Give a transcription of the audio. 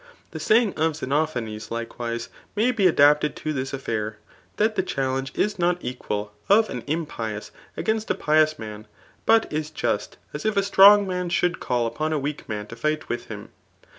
The saying of Xenophanes, likewise, may be adapted to this afiair, that the challenge is not equal of an impious against a pious man, but is just as if a strong man should cait upon a weak man to fight with him.